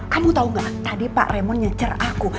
kamu tau gak tadi pak raymond ngecer aku